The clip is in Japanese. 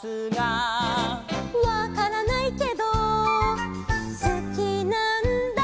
「わからないけどすきなんだ」